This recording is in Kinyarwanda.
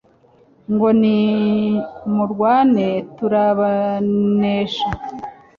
Ngo ni murwane turabanesha